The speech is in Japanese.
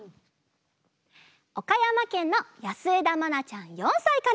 おかやまけんのやすえだまなちゃん４さいから。